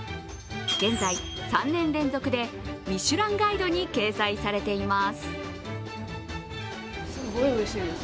現在、３年連続で「ミシュランガイド」に掲載されています。